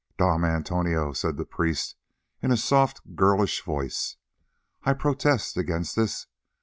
"Dom Antonio," said the priest in a soft girlish voice, "I protest against this.